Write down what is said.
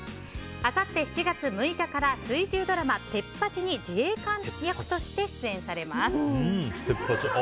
あさって７月６日から水１０ドラマ「テッパチ！」に自衛官役として出演されます。